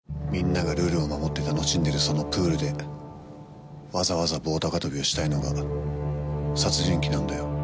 みんながルールを守って楽しんでるそのプールでわざわざ棒高跳びをしたいのが殺人鬼なんだよ。